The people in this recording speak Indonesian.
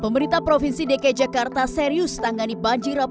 pemerintah provinsi dki jakarta serius tangani banjir rap